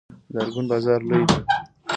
د ارګون بازار لوی دی